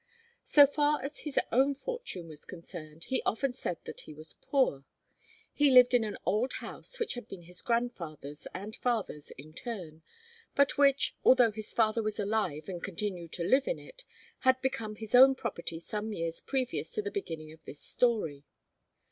So far as his own fortune was concerned, he often said that he was poor. He lived in an old house which had been his grandfather's and father's in turn, but which, although his father was alive and continued to live in it, had become his own property some years previous to the beginning of this story.